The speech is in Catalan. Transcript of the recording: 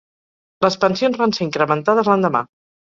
Les pensions van ser incrementades l'endemà.